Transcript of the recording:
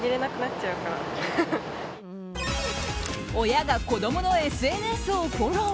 親が子供のＳＮＳをフォロー。